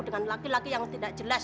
dengan laki laki yang tidak jelas